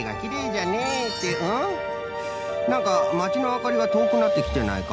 なんかまちのあかりがとおくなってきてないか？